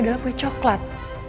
adalah kue coklat